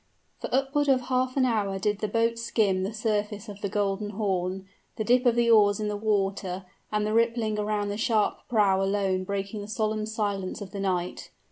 For upward of half an hour did the boat skim the surface of the Golden Horn, the dip of the oars in the water and the rippling around the sharp prow alone breaking the solemn silence of the night.